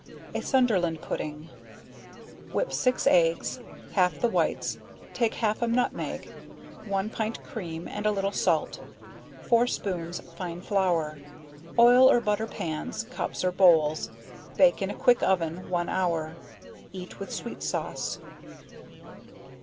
A Sunderland Pudding. Whip 6 eggs, half the whites, take half a nutmeg, one pint cream and a little salt, 4 spoons fine flour, oil or butter pans, cups, or bowls, bake in a quick oven one hour. Eat with sweet sauce.